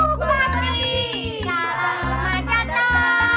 bupati salam jantung